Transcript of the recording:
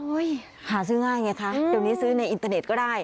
หาซื้อง่ายไงคะเดี๋ยวนี้ซื้อในอินเตอร์เน็ตก็ได้